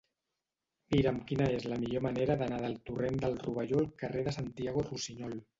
Mira'm quina és la millor manera d'anar del torrent del Rovelló al carrer de Santiago Rusiñol.